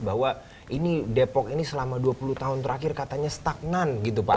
bahwa ini depok ini selama dua puluh tahun terakhir katanya stagnan gitu pak